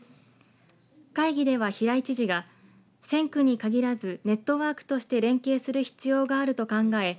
会議では平井知事が線区に限らずネットワークとして連携する必要があると考え